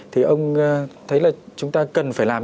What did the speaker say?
thì ông thấy là chúng ta cần phải làm